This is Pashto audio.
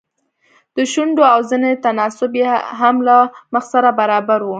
د شونډو او زنې تناسب يې هم له مخ سره برابر و.